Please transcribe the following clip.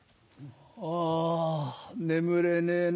あ眠れねえな。